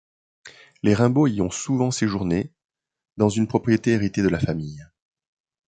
Les Rimbaud y ont souvent séjourné, dans une propriété héritée de la famille.